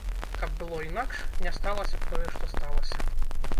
Каб было інакш, не сталася б тое, што сталася.